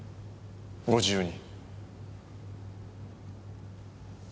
ご自由に。